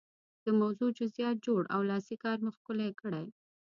د موضوع جزئیات جوړ او لاسي کار مو ښکلی کړئ.